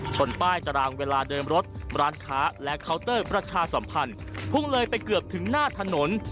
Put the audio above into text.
ชนป้ายตารางเวลาเดิมรถร้านค้าและเคาน์เตอร์ประชาสัมพันธ์พุ่งเลยไปเกือบถึงหน้าถนน